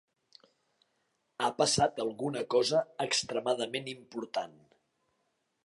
Ha passat alguna cosa extremadament important.